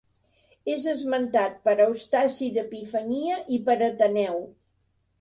És esmentat per Eustaci d'Epifania i per Ateneu.